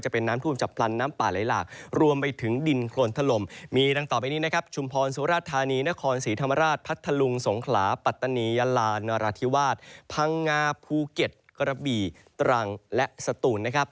พัฒนีนครศรีธรรมราชพัฒนลุงสงขลาปัตตานียาลานรธิวาสพังงาภูเก็ตกระบี่ตรังและสตูนนะครับ